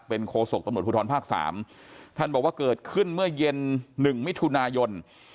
เป็นโคศกตำรวจภูทรภาคสามท่านบอกว่าเกิดขึ้นเมื่อเย็น๑มิถุนายน